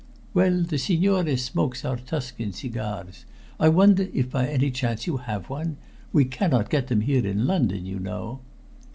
"Well, the signore smokes our Tuscan cigars. I wonder if by chance you have one? We cannot get them in London, you know."